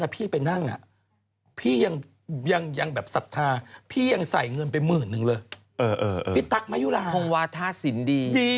เป็นหมื่นนึงเลยพี่ตั๊กมายุราคคงวาธาสินดี